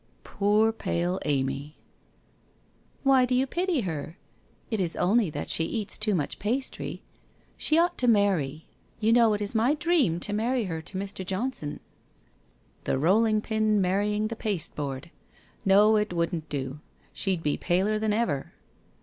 ' Poor pale Amy !' 'Why do you pity her? It is only that she eats too much pastry. Sim ought to marry. You know it is my dream to marry her to Mr. Johnson.' ' The rolling pill marrying the pasteboard. No, it wouldn't do, she'd be paler than ever.'